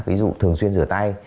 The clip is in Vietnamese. ví dụ thường xuyên rửa tay